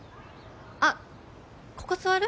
あっここ座る？